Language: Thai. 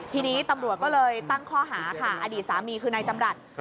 ทีนี้ตำรวจก็เลยตั้งข้อหาค่ะอดีตสามีคือนายจำรัฐ